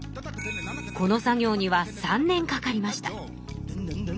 この作業には３年かかりました。